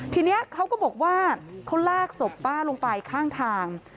ทีนี้เขาก็บอกว่าเขาลากศพป้าลงไปข้างทาง